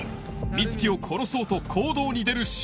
美月を殺そうと行動に出る柊！